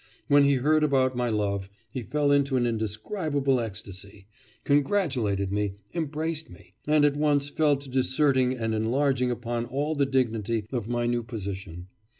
When he heard about my love, he fell into an indescribable ecstasy, congratulated me, embraced me, and at once fell to disserting and enlarging upon all the dignity of my new position.